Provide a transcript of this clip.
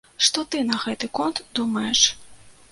Што ты на гэты конт думаеш?